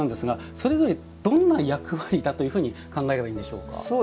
それぞれどんな役割だというふうに考えればいいんでしょうか。